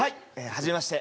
はじめまして。